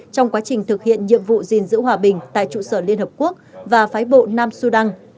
trong quá trình thực hiện nhiệm vụ gìn giữ hòa bình tại trụ sở liên hợp quốc và phái bộ nam sudan